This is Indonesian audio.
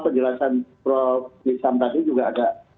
penjelasan prof nisam tadi juga agak